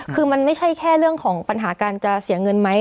คือมันไม่ใช่แค่เรื่องของปัญหาการจะเสียเงินไหม